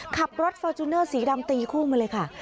ขับรถฟอร์จูเนอร์สีดำตีคู่มาเลยค่ะ